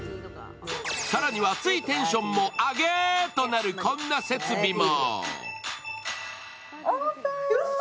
更にはついテンションもアゲーとなるこんな設備も。